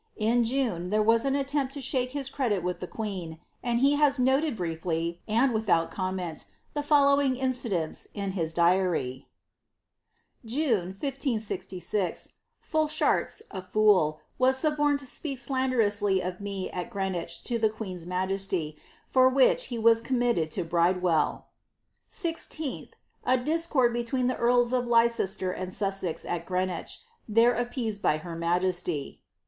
In June there was an attempt to shake bis credit with the queen, and he has noted briefly, and without com ment, the following incidents in his diary :—^ June, 1566, Fulsharst, a fool, was suborned to speak slanderously of me at Greenwich to the queen^s majesty, for which he was com mitted to Bridewell." ~ IGth, a discord between the earls of Leicester and Sussex at Green wich, there appeased by her majesty."